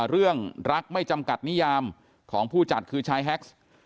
เรื่องรักไม่จำกัดนิยามของผู้จัดคือชายแฮ็ก